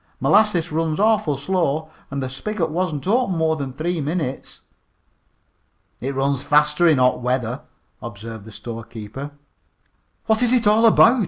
"Molasses runs awful slow, and the spigot wasn't open more than three minutes." "It runs fast in hot weather," observed the storekeeper. "What is it all about?"